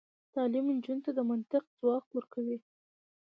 تعلیم نجونو ته د منطق ځواک ورکوي.